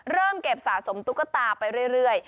เริ่มเก็บสะสมตุ๊กตาไปเรื่อย